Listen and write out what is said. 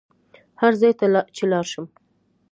هر ځای ته چې لاړ شم.